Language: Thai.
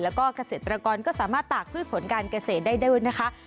แล้วก็เกษตรกรก็สามารถตากพืชผลการเกษตรได้ด้วยนะคะ